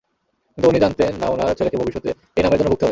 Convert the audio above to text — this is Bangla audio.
কিন্তু উনি জানতেন না ওনার ছেলেকে ভবিষ্যতে এই নামের জন্য ভুগতে হবে।